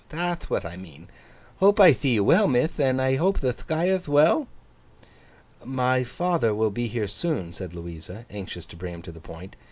That'h what I mean. Hope I thee you well, mith. And I hope the Thquire'th well?' 'My father will be here soon,' said Louisa, anxious to bring him to the point.